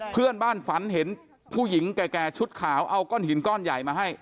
เพื่อนบ้านฝันเห็นผู้หญิงแก่ชุดขาวเอาก้อนหินก้อนใหญ่มาให้